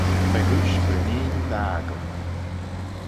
Fegooish breeneen d'aggle.